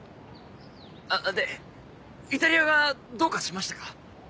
あでイタリアがどうかしましたか？